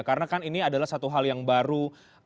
karena kan ini adalah satu hal yang baru